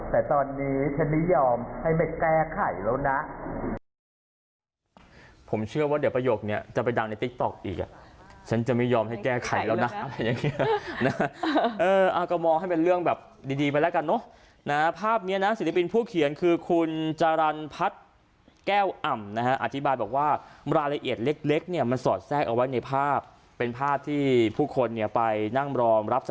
แต่ตอนนี้ฉันไม่ยอมให้ไปแก้ไขแล้วนะ